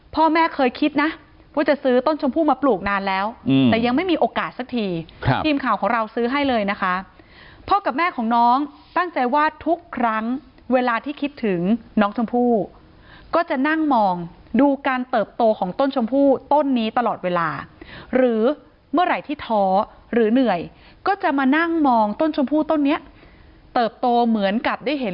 พ่อแม่เคยคิดนะว่าจะซื้อต้นชมพู่มาปลูกนานแล้วแต่ยังไม่มีโอกาสสักทีครับทีมข่าวของเราซื้อให้เลยนะคะพ่อกับแม่ของน้องตั้งใจว่าทุกครั้งเวลาที่คิดถึงน้องชมพู่ก็จะนั่งมองดูการเติบโตของต้นชมพู่ต้นนี้ตลอดเวลาหรือเมื่อไหร่ที่ท้อหรือเหนื่อยก็จะมานั่งมองต้นชมพู่ต้นเนี้ยเติบโตเหมือนกับได้เห็น